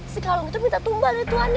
si kalung itu minta tumbang dari tuannya